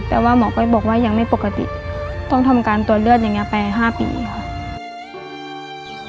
แต่ว่าหมอก็บอกว่ายังไม่ปกติต้องทำการตรวจเลือดอย่างนี้ไป๕ปีค่ะ